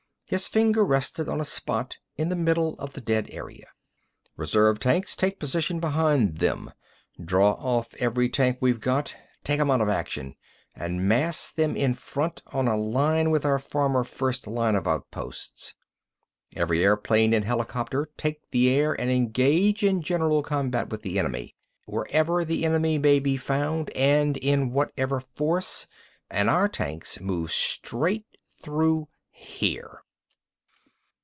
His finger rested on a spot in the middle of the dead area. "Reserve tanks take position behind them. Draw off every tank we've got—take 'em out of action!—and mass them in front, on a line with our former first line of outposts. Every airplane and helicopter take the air and engage in general combat with the enemy, wherever the enemy may be found and in whatever force. And our tanks move straight through here!"